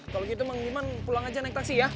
kalau gitu mang diman pulang aja naik taksi ya